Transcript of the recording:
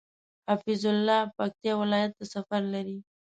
حفيظ الله پکتيا ولايت ته سفر لري